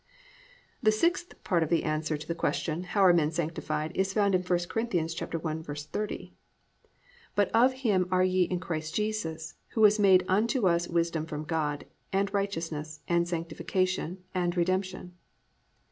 The sixth part of the answer to the question, how men are sanctified, is found in 1 Cor. 1:30, +"But of Him are ye in Christ Jesus, who was made unto us wisdom from God, and righteousness, and sanctification, and redemption."